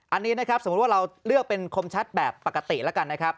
อันนี้นะครับสมมุติว่าเราเลือกเป็นคมชัดแบบปกติแล้วกันนะครับ